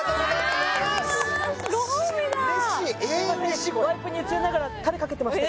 すいませんワイプに映りながらタレかけてました